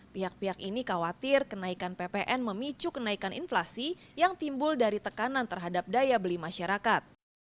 pihak pihak ini khawatir kenaikan ppn memicu kenaikan inflasi yang timbul dari tekanan terhadap daya beli masyarakat